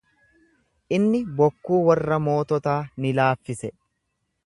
Inni bokkuu warra moototaa ni laaffise.